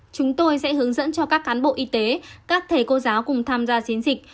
chúng tôi sẽ hướng dẫn cho các cán bộ y tế các thầy cô giáo cùng tham gia chiến dịch